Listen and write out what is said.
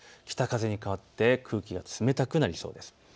北風に変わって空気が冷たくなりそうです。